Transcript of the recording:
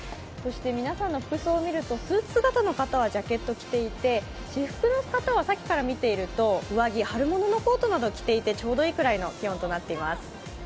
皆さんの服装を見るとスーツ姿の方はジャケットを着ていて私服の形はさっきから見ていると、上着、春物のコートなどを着ていてちょうどいいくらいの気温となっています。